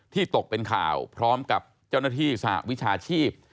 ตกเป็นข่าวพร้อมกับเจ้าหน้าที่สหวิชาชีพ